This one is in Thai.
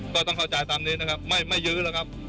ก็ต้องเข้าใจตามนี้นะครับไม่ยื้อแล้วครับ